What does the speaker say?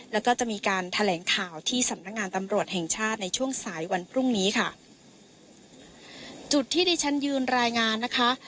แล้วก็จะมีการแถลงข่าวที่สำนักงานตำรวจแห่งชาติในช่วงสายวันพรุ่งนี้ค่ะจุดที่ดิฉันยืนรายงานนะคะ